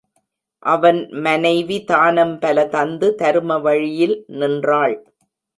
அவன் மனைவி தானம் பல தந்து தரும வழியில் நின்றாள்.